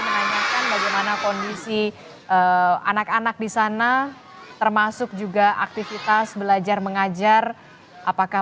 menanyakan bagaimana kondisi anak anak di sana termasuk juga aktivitas belajar mengajar apakah